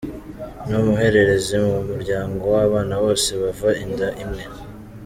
Ni umuhererezi mu muryango w’abana bose bava inda imwe.